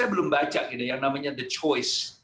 saya belum baca gitu yang namanya the choice